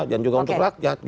dan juga untuk rakyat